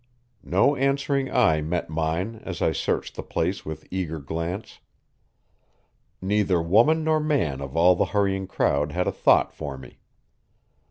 No answering eye met mine as I searched the place with eager glance. Neither woman nor man of all the hurrying crowd had a thought for me.